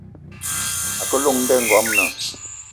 A ke llong nda i ngoamna.